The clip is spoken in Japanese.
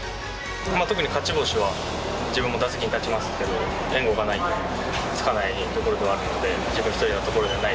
特に勝ち星は、自分も打席に立ちますけど、援護がないとつかないところではあるので、自分一人のところではない。